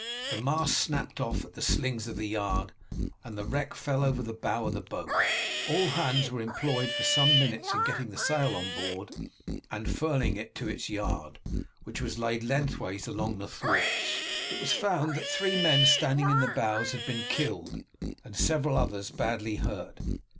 The mast snapped off at the slings of the yard, and the wreck fell over the bow of the boat. All hands were employed for some minutes in getting the sail on board and furling it to its yard, which was laid lengthways along the thwarts. It was found that three men standing in the bows had been killed, and several others badly hurt.